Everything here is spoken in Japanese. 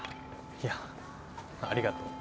いやありがとう。